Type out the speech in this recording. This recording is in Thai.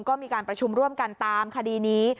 ก็มีการประชุมร่วมกันตามคดีนี้